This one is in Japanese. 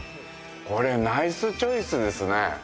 これナイスチョイスですね。